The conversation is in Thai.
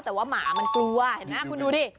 แต่ว่าหมามันกลัวเห็นไหมคุณดูดิ